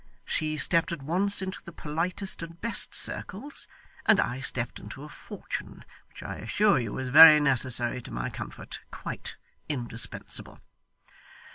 She stepped at once into the politest and best circles, and I stepped into a fortune which I assure you was very necessary to my comfort quite indispensable.